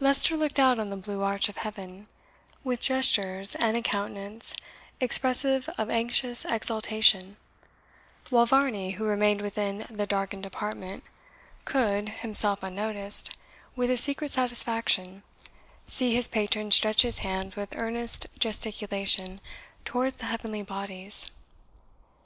Leicester looked out on the blue arch of heaven, with gestures and a countenance expressive of anxious exultation, while Varney, who remained within the darkened apartment, could (himself unnoticed), with a secret satisfaction, see his patron stretch his hands with earnest gesticulation towards the heavenly bodies.